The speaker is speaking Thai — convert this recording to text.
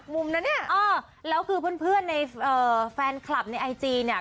มุมนะเนี่ยเออแล้วคือเพื่อนในแฟนคลับในไอจีเนี่ย